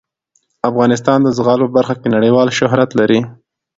افغانستان د زغال په برخه کې نړیوال شهرت لري.